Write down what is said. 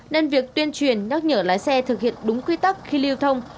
nên việc tuyên truyền nhắc nhở lái xe thực hiện đúng quy tắc khi lưu thông